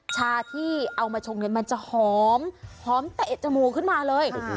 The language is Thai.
ชาที่เอามาชงเนี่ยมันจะหอมหอมเตะจมูกขึ้นมาเลย